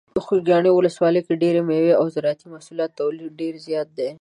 د خوږیاڼي ولسوالۍ کې د ډیری مېوې او زراعتي محصولاتو تولید ډیر زیات دی.